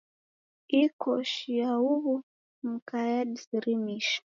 Ii Koshi ya ya uhu mka yadisirimisha.